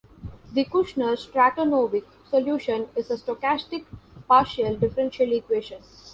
The Kushner-Stratonovich solution is a stochastic partial differential equation.